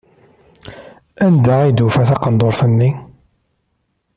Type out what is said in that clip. Anda ay d-tufa taqendurt-nni?